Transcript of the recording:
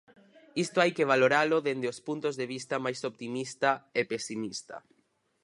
Isto hai que valoralo dende os puntos de vista máis optimista e pesimista.